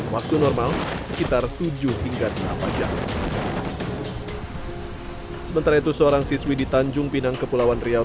waktu normal sekitar tujuh hingga delapan jam sementara itu seorang siswi di tanjung pinang kepulauan riau